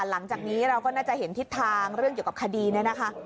หลังจากนี้เราก็น่าจะเห็นทิศทางเรื่องเกี่ยวกับคดีเนี่ยนะคะ